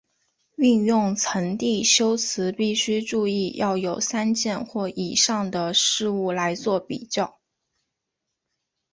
运用层递修辞必须注意要有三件或以上的事物来作比较。